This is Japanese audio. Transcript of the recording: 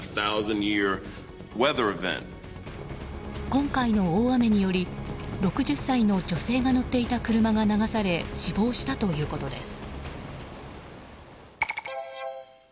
今回の大雨により６０歳の女性が乗っていた車が流され死亡したということです。